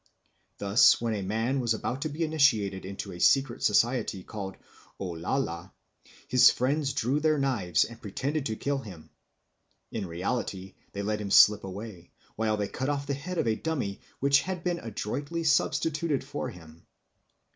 Thus when a man was about to be initiated into a secret society called Olala, his friends drew their knives and pretended to kill him. In reality they let him slip away, while they cut off the head of a dummy which had been adroitly substituted for him.